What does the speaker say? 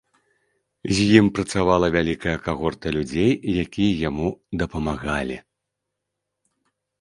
З ім працавала вялікая кагорта людзей, якія яму дапамагалі.